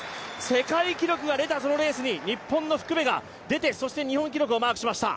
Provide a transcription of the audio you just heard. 世界記録が出たそのレースに、日本の福部が出て、そして日本記録をマークしました。